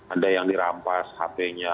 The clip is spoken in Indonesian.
ada yang dirampas hp nya